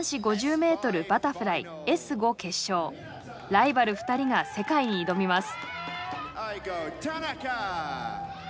ライバル２人が世界に挑みます。